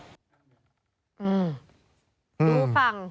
ดูฟัง